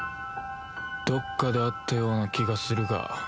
どっかで会ったような気がするが